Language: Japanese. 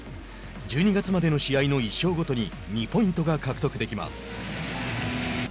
１２月までの１勝ごとに２ポイントが獲得できます。